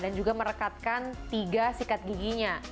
dan juga merekatkan tiga sikat giginya